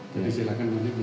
jadi silahkan nanti mungkin